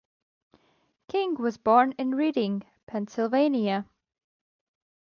King was born in Reading, Pennsylvania.